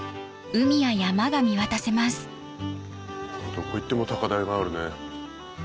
どこ行っても高台があるね。